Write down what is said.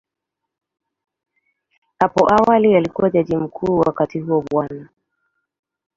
Hapo awali alikuwa Jaji Mkuu, wakati huo Bw.